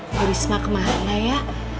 burisma kemana ya